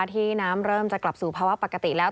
ที่น้ำเริ่มจะกลับสู่ภาวะปกติแล้ว